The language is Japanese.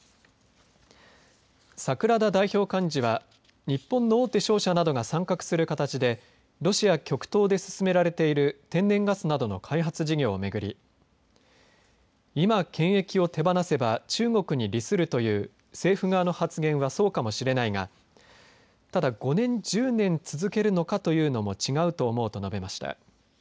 櫻田代表幹事は日本の大手商社などが参画する形でロシア極東で進められている天然ガスなどの開発事業をめぐり今、権益を手放せば中国に利するという政府側の発言はそうかもしれないがただ５年１０年続けるのかというのも違うと思うと述べました。